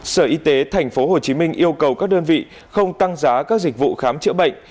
sở y tế tp hcm yêu cầu các đơn vị không tăng giá các dịch vụ khám chữa bệnh